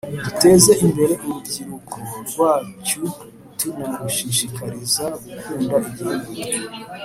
Duteze imbere urubyiruko rwacyu tuna rushishyikariza gukunda igihugu